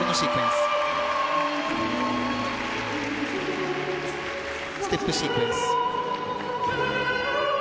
ステップシークエンス。